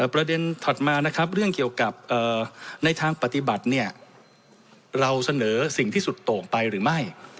ประเด็นถัดมาเรื่องเกี่ยวกับในทางปฏิบัติเราเสนอสิ่งที่สุดโต่งไปหรือไม่